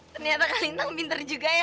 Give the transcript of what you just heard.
ternyata kak lintang pinter juga ya